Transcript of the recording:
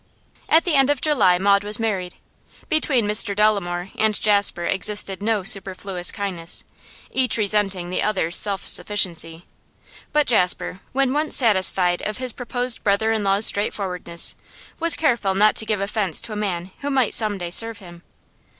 At the end of July Maud was married. Between Mr Dolomore and Jasper existed no superfluous kindness, each resenting the other's self sufficiency; but Jasper, when once satisfied of his proposed brother in law's straightforwardness, was careful not to give offence to a man who might some day serve him.